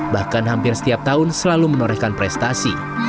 bahkan hampir setiap tahun selalu menorehkan prestasi